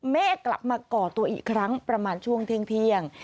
แม่กลับมาก่อตัวอีกครั้งประมาณช่วงเที่ยง